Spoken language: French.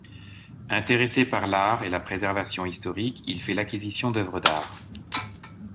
Intéressé par l'art et la préservation historique, il fait l'acquisition d'œuvres d'art.